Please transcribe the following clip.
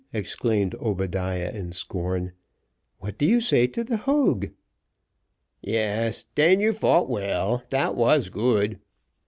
exclaimed Obadiah in scorn, "what do you say to the Hogue?" "Yes, den you fought well dat was good."